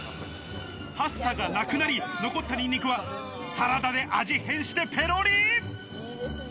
パスタがなくなり、残ったニンニクはサラダで味変してペロリ。